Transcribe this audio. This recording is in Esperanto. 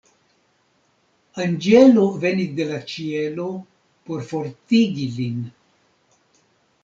Anĝelo venis de la ĉielo por fortigi lin.